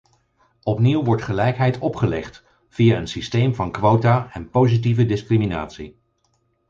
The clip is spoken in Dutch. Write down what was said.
Opnieuw wordt gelijkheid opgelegd, via een systeem van quota en positieve discriminatie.